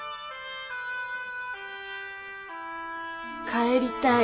帰りたい。